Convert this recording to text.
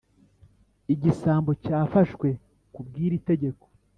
Igisambo cyafashwe kubw’iri tegeko